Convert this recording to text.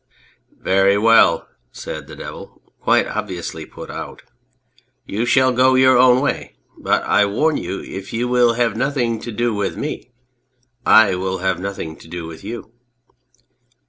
" Very well/' said the Devil, quite obviously put out, "you shall go your own way ; but I warn you, if you will have nothing to do with me I will have nothing to do with you